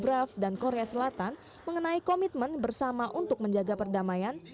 braft dan korea selatan mengenai komitmen bersama untuk menjaga perdamaian